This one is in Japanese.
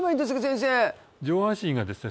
先生上半身がですね